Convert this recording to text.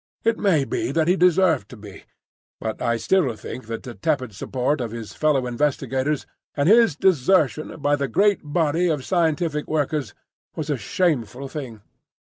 It may be that he deserved to be; but I still think that the tepid support of his fellow investigators and his desertion by the great body of scientific workers was a shameful thing.